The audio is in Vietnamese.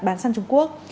bán sang trung quốc